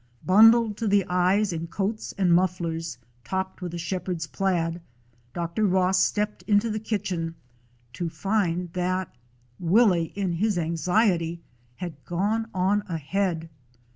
Bundled to the eyes in coats and mufflers, topped with a shepherd's plaid, Dr. Ross stepped into the kitchen, to find that Willie, in his anxiety, had gone on ahead.